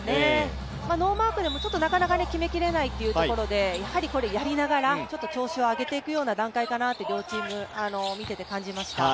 ノーマークでも、なかなか決めきれないというところで、やはりこれやりながら調子を上げていく段階かなと両チーム、見ていて思いました。